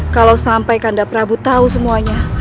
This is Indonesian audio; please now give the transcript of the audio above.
kalau sampai kanda prabu tahu semuanya